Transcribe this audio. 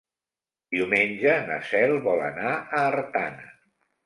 Diumenge na Cel vol anar a Artana.